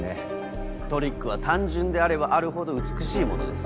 トリックは単純であればあるほど美しいものです。